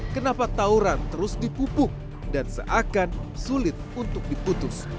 kenapa tauran terus dipupuk dan seakan sulit untuk diputus